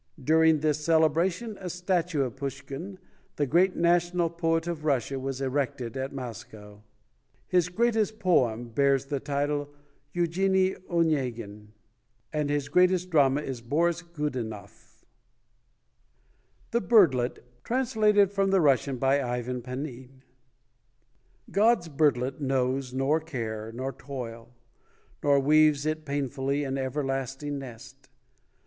Dur ing this celebration, a statue of Pushkin, the great national poet of Russia, was erected at Moscow. His greatest poem bears the title "Eugenie Onyegin" and his greatest drama is "Boris Godunoff". THE BIRDLET (Translated from the Russian by IVAN PANIN) God's birdlet knows Nor care, nor toil; Nor weaves it painfully An everlasting nest.